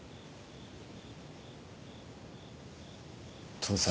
父さん。